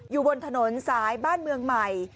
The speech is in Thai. อยู่บนถนนสายบ้านเมืองใหม่